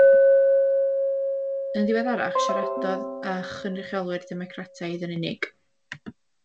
Yn ddiweddarach siaradodd â chynrychiolwyr Democrataidd yn unig.